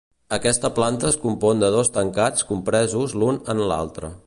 Aquesta planta es compon de dos tancats compresos l'un en l'altre.